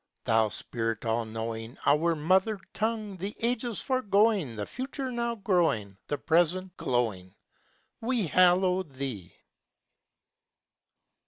Thou spirit all knowing, Our mother tongue, The ages foregoing, The future now growing, The present glowing, We hallow thee!